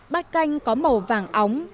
bát canh có màu vàng óng